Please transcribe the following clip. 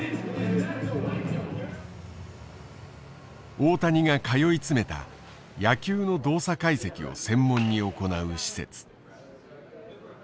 大谷が通い詰めた野球の動作解析を専門に行う施設。